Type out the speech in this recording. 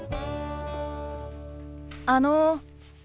あの。